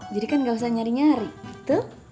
jadi kan gak usah nyari nyari gitu